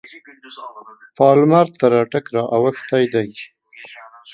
پالمر تر اټک را اوښتی دی.